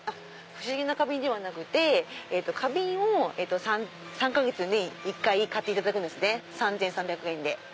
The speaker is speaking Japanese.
不思議な花瓶ではなくて花瓶を３か月に１回買っていただく３３００円で。